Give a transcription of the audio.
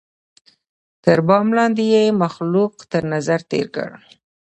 تر بام لاندي یې مخلوق تر نظر تېر کړ